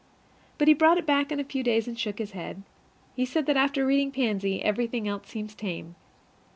But he brought it back in a few days, and shook his head. He says that after reading Pansy, anything else seems tame.